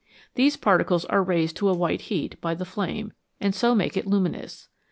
These particles are raised to a white heat by the flame, and so make it luminous.